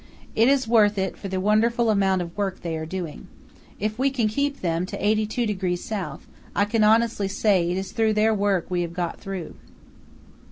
"It is worth it for the wonderful amount of work they are doing. If we can keep them to 82° S. I can honestly say it is through their work we have got through."